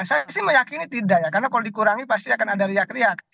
saya sih meyakini tidak ya karena kalau dikurangi pasti akan ada riak riak